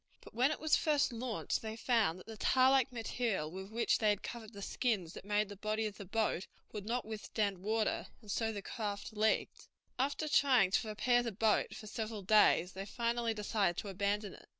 But when it was first launched they found that the tar like material with which they had covered the skins that made the body of the boat would not withstand water, and so the craft leaked. After trying to repair the boat for several days they finally decided to abandon it.